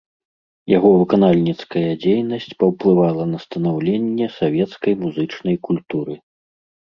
Яго выканальніцкая дзейнасць паўплывала на станаўленне савецкай музычнай культуры.